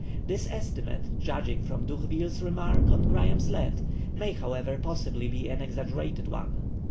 This estimate, judging from D'Urville's remarks on Graham's Land, may, however, possibly be an exaggerated one.